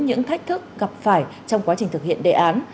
những thách thức gặp phải trong quá trình thực hiện đề án